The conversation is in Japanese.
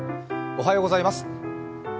おはようございます。